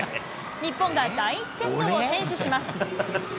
日本が第１セットを先取します。